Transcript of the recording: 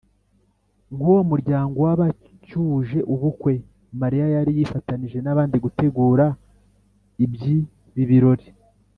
Nk’uwo mu muryango w’abacyuje ubukwe, Mariya yari yafatanije n’abandi gutegura iby’ibi birori